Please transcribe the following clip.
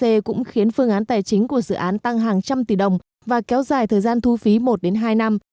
ec cũng khiến phương án tài chính của dự án tăng hàng trăm tỷ đồng và kéo dài thời gian thu phí một hai năm